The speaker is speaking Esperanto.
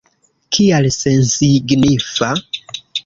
Kial sensignifa?